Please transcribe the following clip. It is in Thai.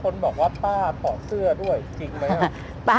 คนบอกว่าป้าเผาเสื้อด้วยจริงไหมอ่ะ